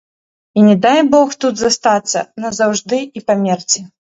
І не дай бог тут застацца назаўжды і памерці.